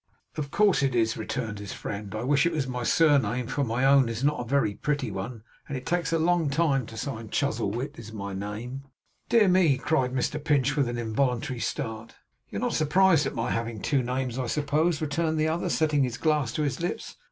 'Of course it is,' returned his friend: 'I wish it was my surname for my own is not a very pretty one, and it takes a long time to sign. Chuzzlewit is my name.' 'Dear me!' cried Mr Pinch, with an involuntary start. 'You're not surprised at my having two names, I suppose?' returned the other, setting his glass to his lips.